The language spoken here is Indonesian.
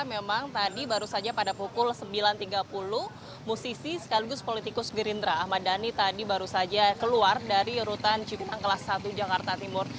memang tadi baru saja pada pukul sembilan tiga puluh musisi sekaligus politikus gerindra ahmad dhani tadi baru saja keluar dari rutan cipinang kelas satu jakarta timur